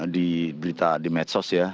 di berita di medsos ya